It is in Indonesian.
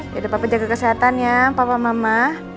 yaudah papa jaga kesehatan ya papa mama